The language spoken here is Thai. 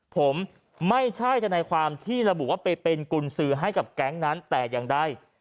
ผมไม่ใช่ทนายความที่ระบุว่าไปเป็นกุญสือให้กับแก๊งนั้นแต่อย่างใด